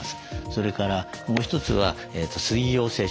それからもう一つは水溶性食物繊維。